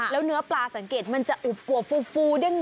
แล้วเนื้อปลาสังเกตมันจะอุบวบฟูเด้ง